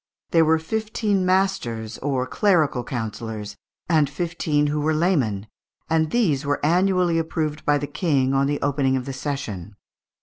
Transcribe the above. There were fifteen masters (maistres) or clerical councillors, and fifteen who were laymen, and these were annually approved by the King on the opening of the session.